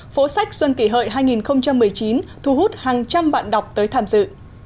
phố sách xuân kỷ hợi hai nghìn một mươi chín thu hút hàng trăm bạn đọc tới tham dự